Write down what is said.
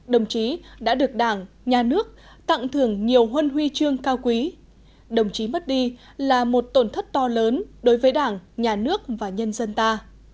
đồng chí đã được đảng nhà nước tặng thưởng nhiều huân huy chương cao quý đồng chí mất đi là một tổn thất to lớn đối với đảng nhà nước và nhân dân ta